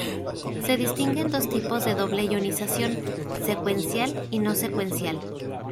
Se distinguen dos tipos de doble ionización: secuencial y no secuencial.